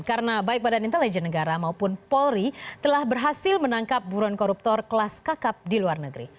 karena baik badan intelijen negara maupun polri telah berhasil menangkap buruan koruptor kelas kakap di luar negeri